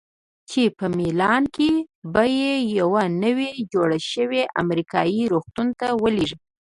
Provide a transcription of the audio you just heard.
چې په میلان کې به مې یوه نوي جوړ شوي امریکایي روغتون ته ولیږي.